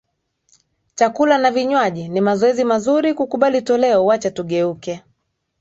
chakula na vinywaji ni mazoezi mazuri kukubali toleo Wacha tugeuke